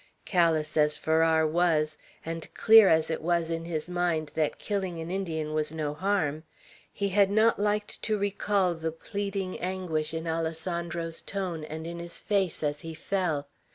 Callous as Farrar was, and clear as it was in his mind that killing an Indian was no harm, he had not liked to recall the pleading anguish in Alessandro's tone and in his face as he fell.